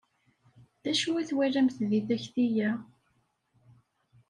D acu i twalamt deg takti-a?